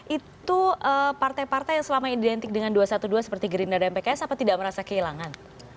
itu partai partai yang selama ini identik dengan dua ratus dua belas seperti gerinda dan pks apa tidak merasa kehilangan